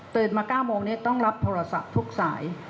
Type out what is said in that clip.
มา๙โมงนี้ต้องรับโทรศัพท์ทุกสาย